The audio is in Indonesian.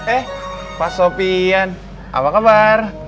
eh pak sofian apa kabar